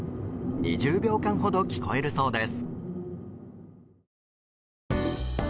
２０秒間ほど聞こえるそうです。